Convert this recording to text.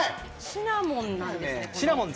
シナモンなんですね。